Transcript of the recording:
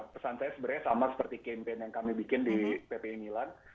pesan saya sebenarnya sama seperti campaign yang kami bikin di ppi milan